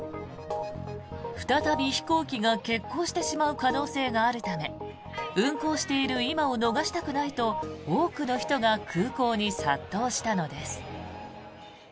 再び飛行機が欠航してしまう可能性があるため運航している今を逃したくないと多くの人が空港に殺到したのです。